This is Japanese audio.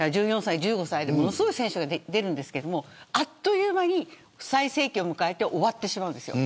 １４、１５歳でものすごい選手が出るんですがあっという間に最盛期を迎えて終わってしまうんですよ。